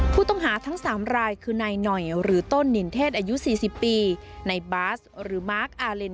ผู้ต้องหาทั้งสามรายคือใน่หน่อยหรือต้นนิณเทศอายุสี่สิบปีในบาร์กซหรือมาร์กอลเลน